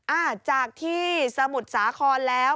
อ่าจากที่สมุทรสาครแล้ว